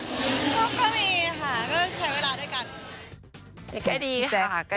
ก็มีค่ะก็ใช้เวลาด้วยกัน